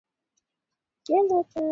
ni vyakula hivyo matunda na mboga mboga